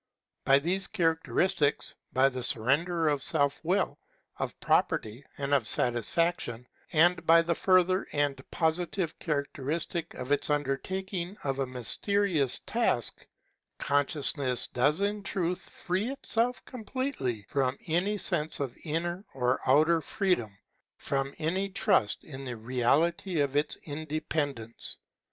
By these characteristics, by the surrender of self will, of property, and of satisfaction, and by the further and positive characteristic of its undertaking of a mysterious task, conscious ness does in truth (tree itsel|/completely from any sense of inner or outer freedom, from any trust in the reality of its independ ence.